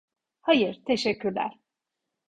Hayır, teşekkürler.